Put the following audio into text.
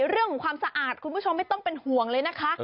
เรื่องของความสะอาดคุณผู้ชมไม่ต้องเป็นห่วงเลยนะคะ